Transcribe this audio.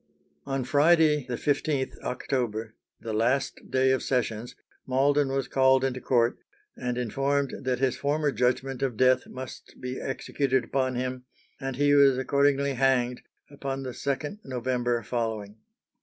On Friday, the 15th October, the last day of Sessions, Malden was called into court and informed that his former judgment of death must be executed upon him, and he was accordingly hanged upon the 2d November following.